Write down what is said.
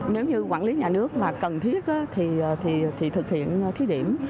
nếu như quản lý nhà nước mà cần thiết thì thực hiện thí điểm